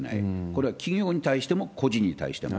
これは企業に対しても、個人に対しても。